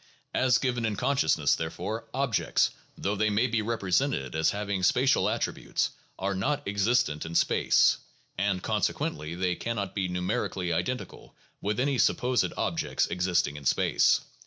As given in consciousness, therefore, objects, though they may be represented as having spatial attributes, are not existent in space; and consequently they can not be numerically identical with any (supposed) objects existing in space.